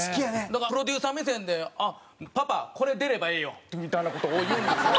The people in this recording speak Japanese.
だからプロデューサー目線で「あっパパこれ出ればええよ」みたいな事を言うんですよ。